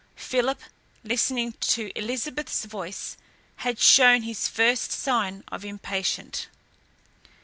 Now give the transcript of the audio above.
Philip, listening to Elizabeth's voice, had shown his first sign of impatience.